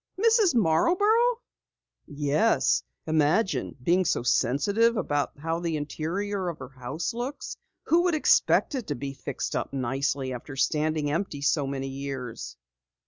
"Mrs. Marborough?" "Yes, imagine being so sensitive about how the interior of her house looks. Who would expect it to be fixed up nicely after standing empty so many years?"